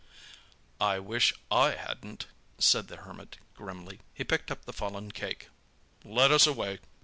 "I wish I hadn't," said the Hermit grimly. He picked up the fallen cake. "Let us away!"